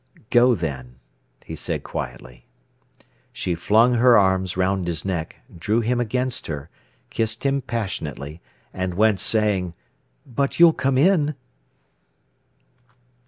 "Go, then!" he said quietly. She flung her arms round his neck, drew him against her, kissed him passionately, and went, saying: "But you'll come in?"